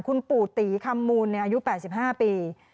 คุณปู่ตีคำมูลอายุ๘๕ปี